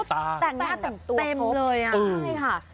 ก็แต่งหน้าแต่งตัวครบ